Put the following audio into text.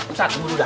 ustaz dulu dah